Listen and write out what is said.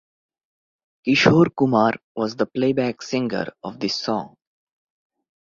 Kishore Kumar was the playback singer of this song.